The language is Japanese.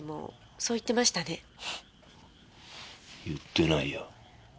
フッ言ってないよ。